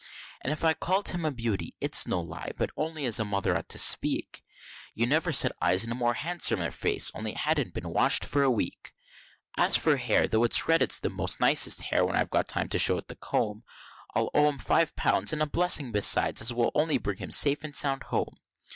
And if I called him a beauty, it's no lie, but only as a Mother ought to speak; You never set eyes on a more handsomer face, only it hasn't been washed for a week; As for hair, tho' it's red, it's the most nicest hair when I've time to just show it the comb; I'll owe 'em five pounds, and a blessing besides, as will only bring him safe and sound home.